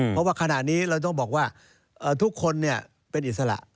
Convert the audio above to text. เพราะว่าขณะนี้เราต้องบอกว่าทุกคนเป็นอิสระ